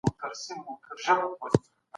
ټولنه د پيوستون اړتيا لري.